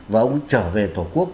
và ông ấy trở về tổ quốc